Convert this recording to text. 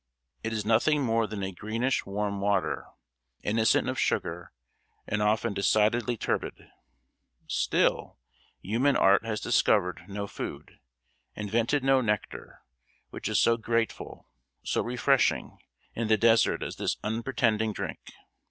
It is nothing more than a greenish warm water, innocent of sugar, and often decidedly turbid; still, human art has discovered no food, invented no nectar, which is so grateful, so refreshing, in the desert as this unpretending drink.